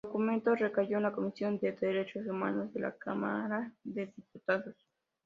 El documento recayó en la Comisión de Derechos Humanos de la Cámara de Diputados.